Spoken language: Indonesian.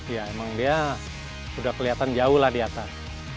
ya emang dia sudah kelihatan jauh lah di atas